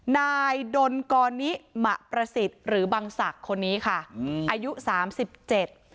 นายดนกรนิมะประสิทธิ์หรือบังศักดิ์คนนี้ค่ะอืมอายุสามสิบเจ็ด